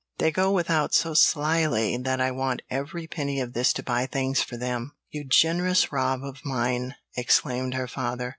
They go without so slyly that I want every penny of this to buy things for them." "You generous Rob of mine!" exclaimed her father.